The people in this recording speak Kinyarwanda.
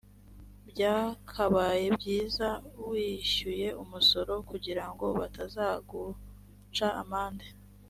byakabaye byiza wishyuye umusoro kugirango batazaguca amande